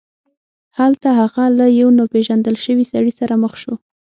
هلته هغه له یو ناپيژندل شوي سړي سره مخ شو.